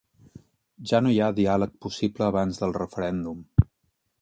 Ja no hi ha diàleg possible abans del referèndum.